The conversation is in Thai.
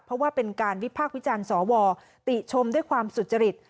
เพราะว่าเป็นการวิพากษ์วิจารณ์สวติชมด้วยความสุจริต